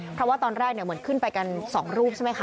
เพราะว่าตอนแรกเหมือนขึ้นไปกัน๒รูปใช่ไหมคะ